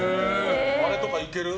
あれとかいける？